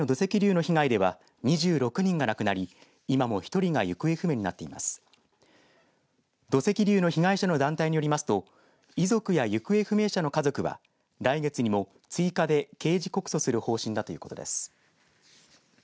土石流の被害者の団体によりますと遺族や行方不明者の家族は来月にも追加で刑事告訴する方針だということです。